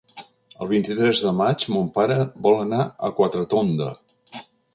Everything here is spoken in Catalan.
El vint-i-tres de maig mon pare vol anar a Quatretonda.